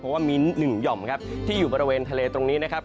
เพราะว่ามีหนึ่งหย่อมครับที่อยู่บริเวณทะเลตรงนี้นะครับ